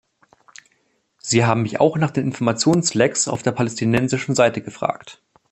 Sie haben mich auch nach den Informationslecks auf der palästinensischen Seite gefragt.